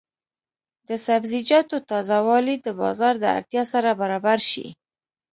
د سبزیجاتو تازه والي د بازار د اړتیا سره برابر شي.